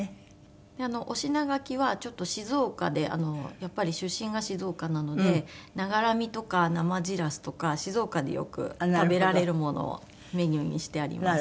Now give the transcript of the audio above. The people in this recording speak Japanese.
お品書きはちょっと静岡でやっぱり出身が静岡なので「ながらみ」とか「生じらす」とか静岡でよく食べられるものをメニューにしてあります。